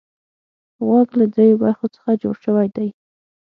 غوږ له دریو برخو څخه جوړ شوی دی.